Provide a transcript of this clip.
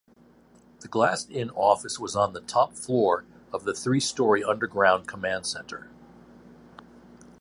The glassed-in office was on the top floor of the three-story underground command center.